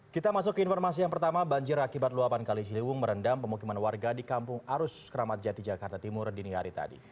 kita masuk ke informasi yang pertama banjir akibat luapan kali ciliwung merendam pemukiman warga di kampung arus keramat jati jakarta timur dini hari tadi